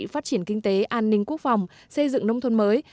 phát triển kinh tế an ninh quốc phòng xây dựng nông thôn mới